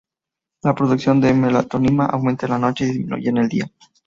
La producción de melatonina aumenta en la noche y disminuye en el día.